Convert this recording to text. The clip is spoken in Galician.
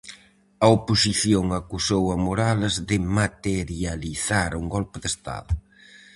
A oposición acusou a Morales de materializar un "golpe de Estado".